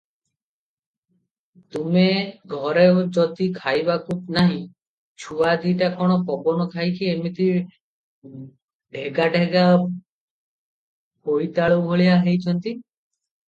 ତମେ ଘରେ ଯଦି ଖାଇବାକୁ ନାହିଁ, ଛୁଆ ଦିଟା କଣ ପବନ ଖାଇକି ଏମିତି ଢ଼େଗା ଢ଼େଗା ବୋଇତାଳୁ ଭଳିଆ ହେଇଛନ୍ତି?